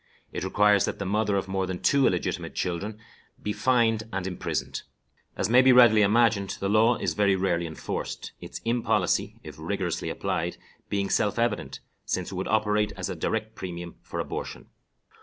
It requires that the mother of more than two illegitimate children be fined and imprisoned. As may be readily imagined, the law is very rarely enforced, its impolicy, if rigorously applied, being self evident, since it would operate as a direct premium for abortion.